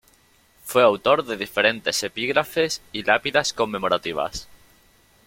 Fue autor de diferentes epígrafes y lápidas conmemorativas.